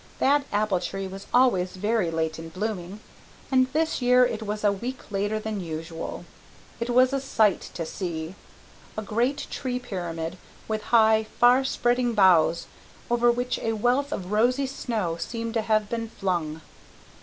That apple tree was always very late in blooming, and this year it was a week later than usual. It was a sight to see a great tree pyramid with high, far spreading boughs, over which a wealth of rosy snow seemed to have been flung.